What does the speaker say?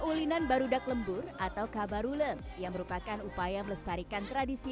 kau linan barudak lembur atau kabarule yang merupakan upaya melestarikan tradisi